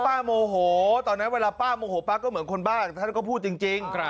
โมโหตอนนั้นเวลาป้าโมโหป้าก็เหมือนคนบ้าท่านก็พูดจริง